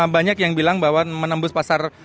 banyak yang bilang bahwa menembus pasar